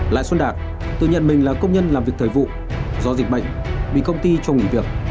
lại xuân đạt tự nhận mình là công nhân làm việc thời vụ do dịch bệnh bị công ty cho nghỉ việc